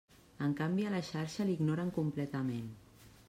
En canvi a la xarxa l'ignoren completament.